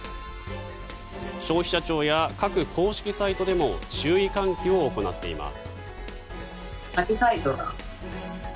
消費者庁や各公式サイトでも注意喚起を行っています。